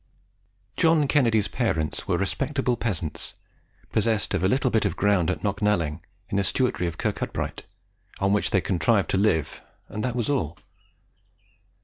John Kennedy's parents were respectable peasants, possessed of a little bit of ground at Knocknalling, in the stewartry of Kirkcudbright, on which they contrived to live, and that was all.